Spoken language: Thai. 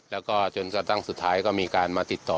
และก็จนกลางสุดท้ายก็มีการมาติดต่อ